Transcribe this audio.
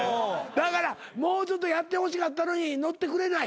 だからもうちょっとやってほしかったのに乗ってくれない。